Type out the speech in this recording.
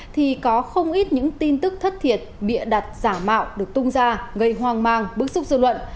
thì có không ít những tin tức thất thiệt bịa đặt giả mạo được tung ra gây hoang mang bức xúc dư luận